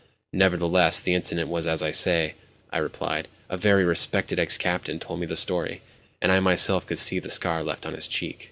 "Nevertheless the incident was as I say," I replied. "A very respected ex captain told me the story, and I myself could see the scar left on his cheek."